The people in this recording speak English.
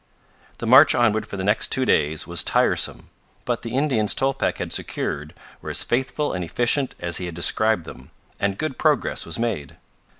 The march onward for the next two days was tiresome; but the Indians Tolpec had secured were as faithful and efficient as he had described them, and good progress was made.